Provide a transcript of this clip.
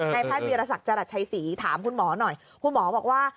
แพทย์วีรศักดิ์จรัสชัยศรีถามคุณหมอหน่อยคุณหมอบอกว่า